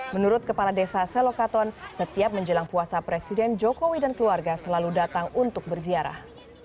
menurut kepala desa selokaton setiap menjelang puasa presiden jokowi dan keluarga selalu datang untuk berziarah